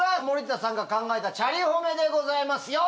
森田さんが考えたチャリほめでございます。